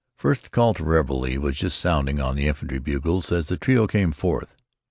First call for reveillé was just sounding on the infantry bugles as the trio came forth.